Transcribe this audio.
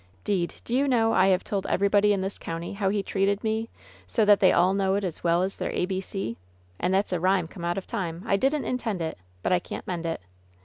'Deed, do you know I have told everybody in this county how he treated me, so that they all faiow it as well as their a b c ? And that's a rhyme come out of time. I didn't intend it, but I can't mend it.